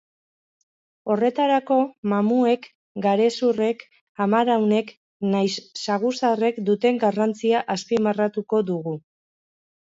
Horretarako, mamuek, garezurrek, amaraunek nahiz saguzarrek duten garrantzia azpimarratuko dugu.